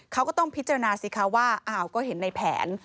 เขาก็ต้องพิจารณาว่าก็เห็นในแผน